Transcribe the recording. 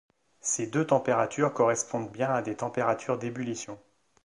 Ces deux températures correspondent bien à des températures d'ébullition.